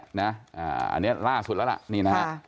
อันนี้ล่าสุดแล้วล่ะนี่นะฮะ